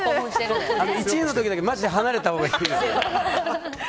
１位の時だけマジで離れたほうがいいですよ。